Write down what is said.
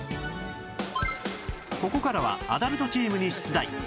ここからはアダルトチームに出題